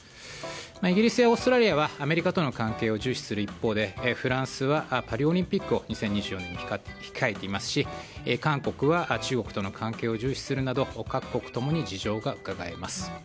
イギリスやオーストラリアはアメリカとの関係を重視する一方でフランスはパリオリンピックを２０２４年に控えていますし韓国は中国との関係を重視するなど各国ともに事情がうかがえます。